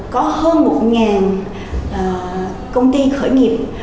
có hơn một công ty khởi nghiệp